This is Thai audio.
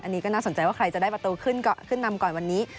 อันนี้ก็น่าสนใจว่าใครจะได้ประตูขึ้นก็ขึ้นนำก่อนวันนี้